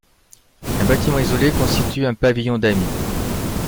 Un bâtiment isolé constitue un pavillon d'amis.